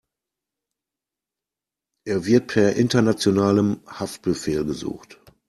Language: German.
Er wird per internationalem Haftbefehl gesucht.